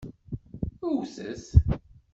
Wwtet!